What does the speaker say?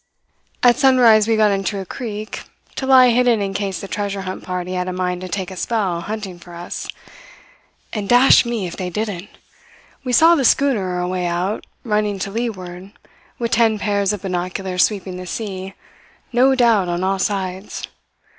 "At sunrise we got into a creek, to lie hidden in case the treasure hunt party had a mind to take a spell hunting for us. And dash me if they didn't! We saw the schooner away out, running to leeward, with ten pairs of binoculars sweeping the sea, no doubt on all sides.